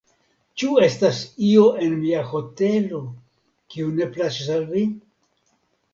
Ĉu estas io en mia hotelo, kiu ne plaĉas al vi?